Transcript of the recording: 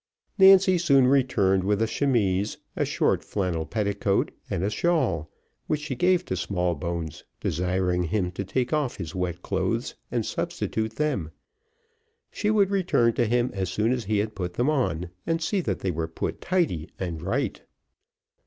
Nancy soon returned with a chemise, a short flannel petticoat, and a shawl, which she gave to Smallbones, desiring him to take off his wet clothes, and substitute them. She would return to him as soon as he had put them on, and see that they were put tidy and right.